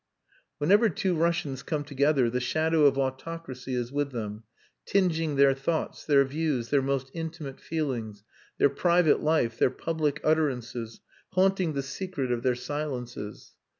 Whenever two Russians come together, the shadow of autocracy is with them, tinging their thoughts, their views, their most intimate feelings, their private life, their public utterances haunting the secret of their silences.